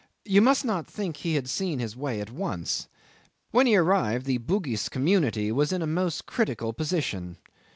You must not think he had seen his way at once. When he arrived the Bugis community was in a most critical position.